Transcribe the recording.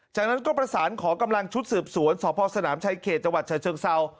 จากนั้นก็ประสานขอกำลังชุดสืบสวนสพสนามชายเขตจังหวัดฉะเชิงเซา